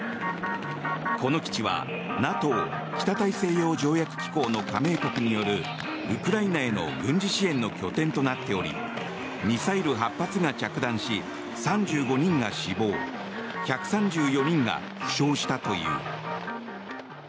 この基地はＮＡＴＯ・北大西洋条約機構の加盟国によるウクライナへの軍事支援の拠点となっておりミサイル８発が着弾し３５人が死亡１３４人が負傷したという。